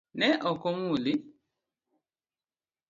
Ne oko muli?